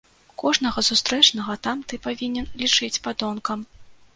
Кожнага сустрэчнага там ты павінен лічыць падонкам.